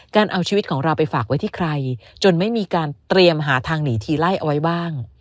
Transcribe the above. เอาชีวิตของเราไปฝากไว้ที่ใครจนไม่มีการเตรียมหาทางหนีทีไล่เอาไว้บ้าง